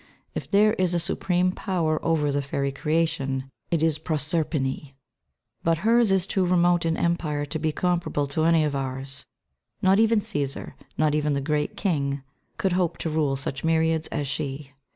If there is a Supreme Power over the fairy creation it is Proserpine; but hers is too remote an empire to be comparable to any of ours. Not even Cæsar, not even the Great King, could hope to rule such myriads as she.